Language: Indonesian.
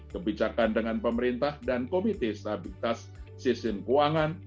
kebijakan dengan pemerintah dan komite stabilitas sistem keuangan